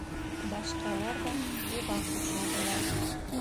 Башҡалар ҙа уға ҡушылдылар.